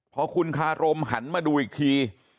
พอคุณคารมหันมาดูอีกที